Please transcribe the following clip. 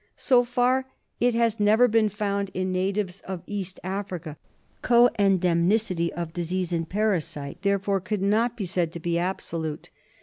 So far it had never been found in natives of East Africa. Co endemicity of disease and parasite therefore could not be said to be absolute.